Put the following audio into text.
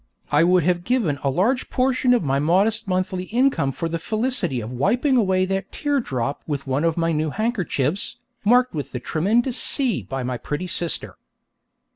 I would have given a large portion of my modest monthly income for the felicity of wiping away that teardrop with one of my new handkerchiefs, marked with a tremendous 'C' by my pretty sister.